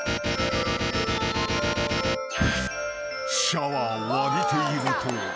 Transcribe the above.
［シャワーを浴びていると］